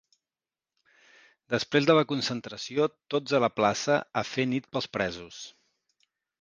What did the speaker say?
Després de la concentració tots a la plaça a fer nit pels presos.